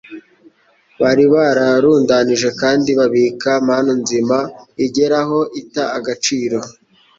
Bari bararundanije kandi babika Manu nzima igera aho ita agaciro.